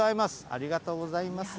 ありがとうございます。